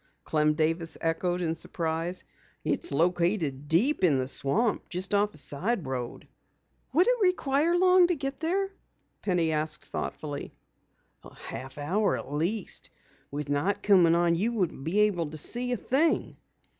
Clem Davis echoed in surprise. "It's located deep in the swamp, just off a side road." "Would it require long to get there?" Penny asked thoughtfully. "A half hour at least. With night coming on you wouldn't be able to see a thing."